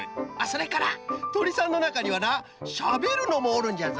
それからとりさんのなかにはなしゃべるのもおるんじゃぞ。